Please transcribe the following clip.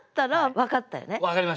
分かりました。